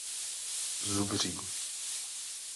Zubří.